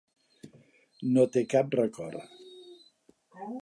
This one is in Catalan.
No té cap record.